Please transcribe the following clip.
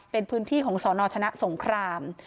เป็นพื้นที่ของสนชนะสงคราม